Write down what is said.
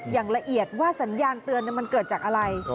อย่างละเอียดว่าสัญญาณเตือนมันเกิดจากอะไร